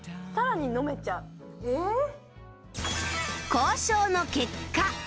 交渉の結果